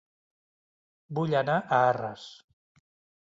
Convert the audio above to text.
Vull anar a Arres